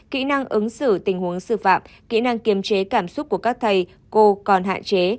kỹ năng ứng xử tình huống sư phạm kỹ năng kiềm chế cảm xúc của các thầy cô còn hạn chế